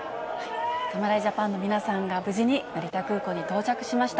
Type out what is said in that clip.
侍ジャパンの皆さんが、無事に成田空港に到着しました。